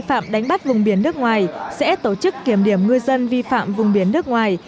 phạm đánh bắt vùng biển nước ngoài sẽ tổ chức kiểm điểm ngư dân vi phạm vùng biển nước ngoài